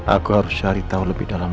aku harus cari tahu lebih dalam